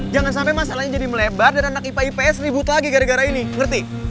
jangan sampai masalahnya jadi melebar dan anak ipa ips ribut lagi gara gara ini ngerti